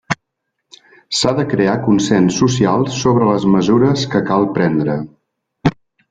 S'ha de crear consens social sobre les mesures que cal prendre.